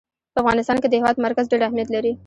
په افغانستان کې د هېواد مرکز ډېر اهمیت لري.